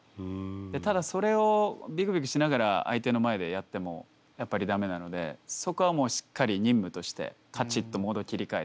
ただそれをビクビクしながら相手の前でやってもやっぱり駄目なのでそこはもうしっかり任務としてカチッとモード切り替えて。